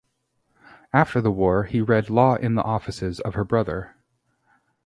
After the war he read law in the offices of her brother.